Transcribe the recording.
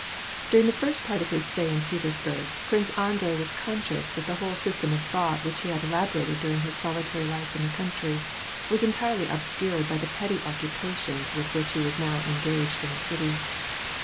During the first part of his stay in Petersburg, Prince Andrei was conscious that the whole system of thought which he had elaborated during his solitary life in the country, was entirely obscured by the petty occupations with which he was now engaged in the city.